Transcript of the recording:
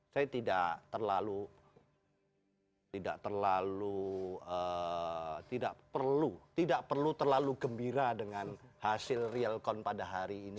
saya tidak terlalu tidak terlalu tidak perlu tidak perlu terlalu gembira dengan hasil realcon pada hari ini